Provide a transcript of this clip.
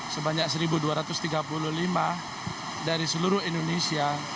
sebanyak satu dua ratus tiga puluh lima dari seluruh indonesia